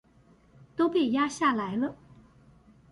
都被壓下來了